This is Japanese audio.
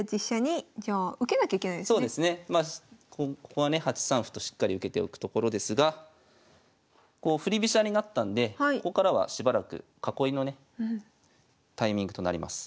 ここはね８三歩としっかり受けておくところですが振り飛車になったんでここからはしばらく囲いのねタイミングとなります。